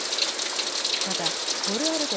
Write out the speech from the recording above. またボルアルテ